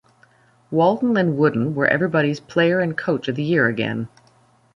Walton and Wooden were everybody's Player and Coach of the Year again.